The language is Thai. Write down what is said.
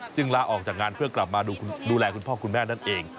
ลาออกจากงานเพื่อกลับมาดูแลคุณพ่อคุณแม่นั่นเอง